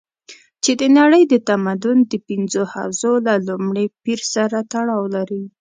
چې د نړۍ د تمدن د پنځو حوزو له لومړي پېر سره تړاو لري.